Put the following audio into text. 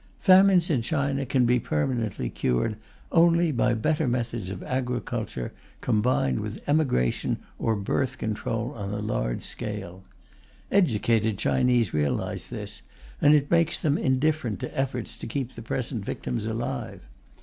Famines in China can be permanently cured only by better methods of agriculture combined with emigration or birth control on a large scale. Educated Chinese realize this, and it makes them indifferent to efforts to keep the present victims alive.